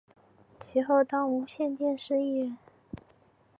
其后当无线电视艺人。